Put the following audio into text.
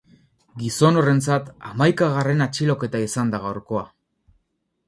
Gizon horrentzat, hamaikagarren atxiloketa izan da gaurkoa.